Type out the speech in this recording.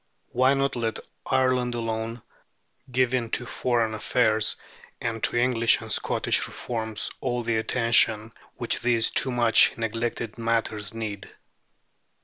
Why not let Ireland alone, giving to foreign affairs and to English and Scottish reforms all the attention which these too much neglected matters need?